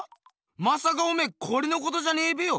まさかおめえこれのことじゃねえべよ。